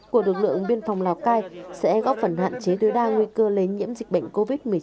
của độc lượng biên phòng lào cai sẽ góp phần hạn chế đối đa nguy cơ lây nhiễm dịch bệnh covid một mươi chín vào nước ta